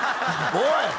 おい！